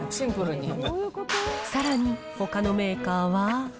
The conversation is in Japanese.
さらに、ほかのメーカーは。